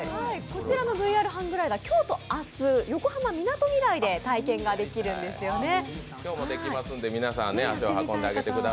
こちらのＶＲハンググライダー、今日と明日、横浜みなとみらいで体験できるんですね。